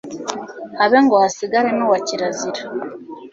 habe ngo hasigare n'uwa kirazira